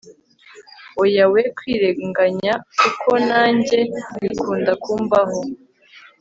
oya we kwirenganya kuko nanjye bikunda kumbaho